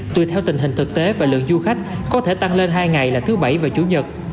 tùy theo tình hình thực tế và lượng du khách có thể tăng lên hai ngày là thứ bảy và chủ nhật